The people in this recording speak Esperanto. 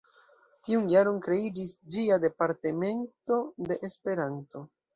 Tiun jaron kreiĝis ĝia Departemento de Esperanto.